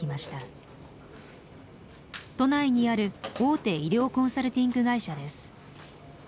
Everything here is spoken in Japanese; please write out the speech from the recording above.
都内にある大手医療コンサルティング会社です。